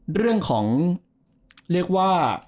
เรื่องของเรียกว่า